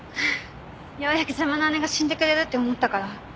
ようやく邪魔な姉が死んでくれるって思ったから？